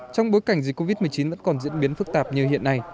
trong bối cảnh dịch covid một mươi chín vẫn còn diễn biến phức tạp như hiện nay